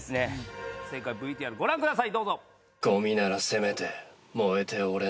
正解ＶＴＲご覧ください。